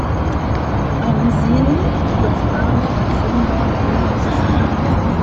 An sin doch arme Sunder gewesen.